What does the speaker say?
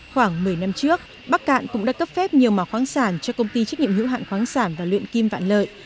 khoảng một mươi năm trước bắc cạn cũng đã cấp phép nhiều màu khoáng sản cho công ty trách nhiệm hữu hạn khoáng sản và luyện kim vạn lợi